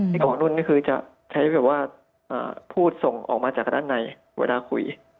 ของนุ่นนี่คือจะใช้แบบว่าพูดส่งออกมาจากด้านในเวลาคุย